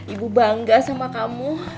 ibu bangga sama kamu